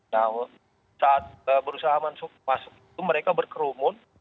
nah saat berusaha masuk itu mereka berkerumun